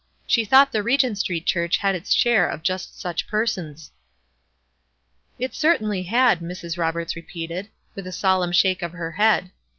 She thought the Eegent Street Church had its share of just such persons. "It certainly had," Mrs. Roberts repeated, with a solemn shake of her head.